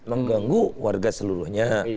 mengganggu warga seluruhnya